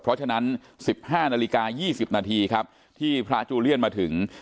เพราะฉะนั้น๑๕นาฬิกา๒๐นาทีครับที่พระจูเลียนมาถึง